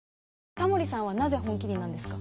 タモリさんはなぜ「本麒麟」なんですか？